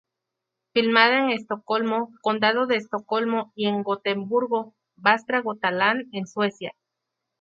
Filmada en Estocolmo, Condado de Estocolmo y en Gotemburgo, Västra Götaland, en Suecia.